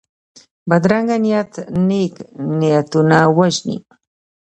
بدرنګه نیت نېک نیتونه وژني